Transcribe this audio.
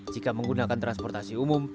jika menggunakan transportasi umum